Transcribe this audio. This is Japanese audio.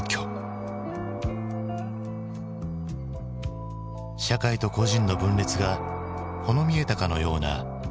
社会と個人の分裂がほの見えたかのような７０年代末の日本。